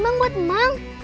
ini mang buat emang